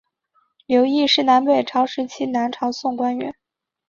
刘邕是南北朝时期南朝宋官员。